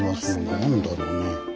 何だろうね？